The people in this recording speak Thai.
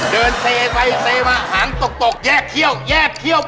เซไปเซมาหางตกตกแยกเที่ยวแยกเที่ยว